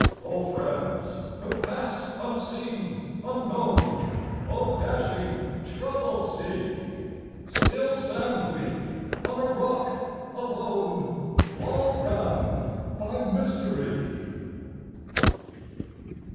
O friends who passed unseen, unknown! O dashing, troubled sea! Still stand we on a rock alone, Walled round by mystery.